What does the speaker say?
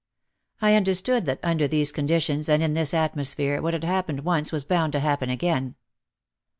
I understood that under these conditions and in this atmosphere what had happened once was bound to happen again.